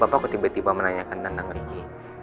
bapak aku tiba tiba menanyakan tentang rigi